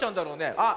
あっ